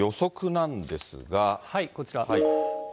こちら。